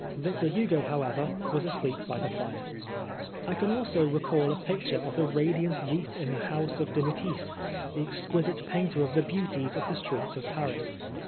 Victor Hugo, however, was asleep by the fire. I can also recall a picture of the radiant youth in the house of de Nitis, the exquisite painter of the beauties of the streets of Paris.